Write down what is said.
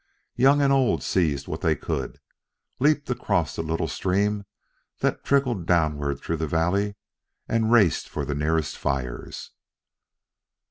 Young and old seized what they could, leaped across the little stream that trickled downward through the valley, and raced for the nearest fires.